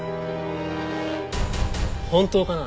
本当かな？